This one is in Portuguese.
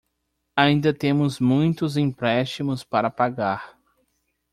Ainda temos muitos empréstimos para pagar.